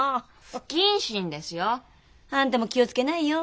不謹慎ですよ。あんたも気を付けないよ。